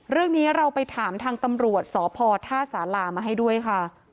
เรื่องนี้เราไปถามทางตำรวจสพท่าสารามาให้ด้วยค่ะ